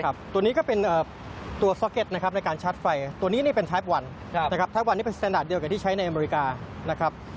คุณผู้ชมจะได้เห็นรอบคันเลยนะครับ